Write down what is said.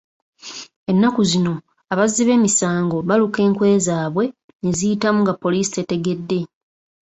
Ennaku zino abazzi b'emisango baluka enkwe zaabwe ne ziyitamu nga Poliisi tetegedde.